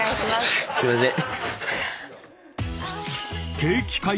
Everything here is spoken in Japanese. すいません。